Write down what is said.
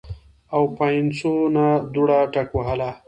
او پاينڅو نه دوړه ټکوهله